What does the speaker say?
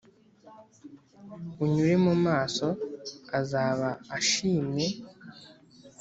unyure mu maso azaba ashimye